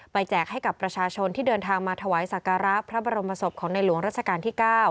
แจกให้กับประชาชนที่เดินทางมาถวายสักการะพระบรมศพของในหลวงรัชกาลที่๙